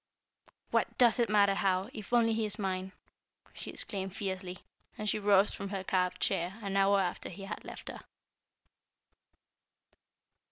"What does it matter how, if only he is mine!" she exclaimed fiercely, as she rose from her carved chair an hour after he had left her.